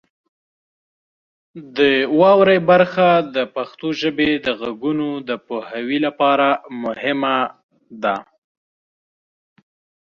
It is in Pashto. د واورئ برخه د پښتو ژبې د غږونو د پوهاوي لپاره مهمه ده.